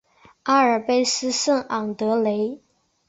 阿尔卑斯圣昂德雷。